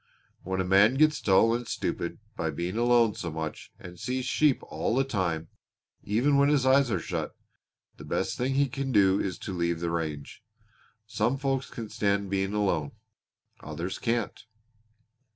"When a man gets dull and stupid by being alone so much, and sees sheep all the time even when his eyes are shut the best thing he can do is to leave the range. Some folks can stand being alone, others can't.